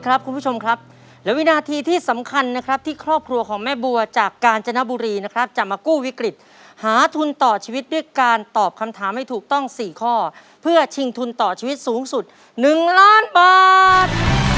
คุณผู้ชมครับและวินาทีที่สำคัญนะครับที่ครอบครัวของแม่บัวจากกาญจนบุรีนะครับจะมากู้วิกฤตหาทุนต่อชีวิตด้วยการตอบคำถามให้ถูกต้อง๔ข้อเพื่อชิงทุนต่อชีวิตสูงสุด๑ล้านบาท